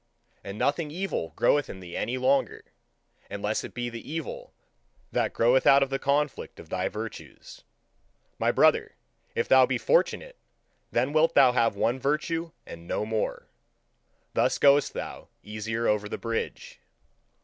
And nothing evil groweth in thee any longer, unless it be the evil that groweth out of the conflict of thy virtues. My brother, if thou be fortunate, then wilt thou have one virtue and no more: thus goest thou easier over the bridge.